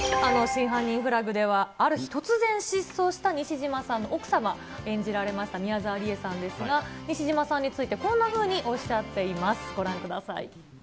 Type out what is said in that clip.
真犯人フラグでは、ある日突然失踪した西島さんの奥様を演じられました宮沢りえさんですが、西島さんについてこんなふうにおっしゃっています。